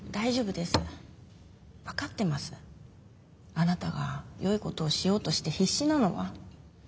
あなたがよいことをしようとして必死なのは。